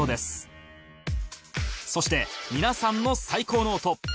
そして皆さんの最高の音